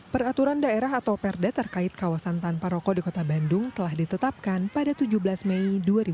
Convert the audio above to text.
peraturan daerah atau perda terkait kawasan tanpa rokok di kota bandung telah ditetapkan pada tujuh belas mei dua ribu dua puluh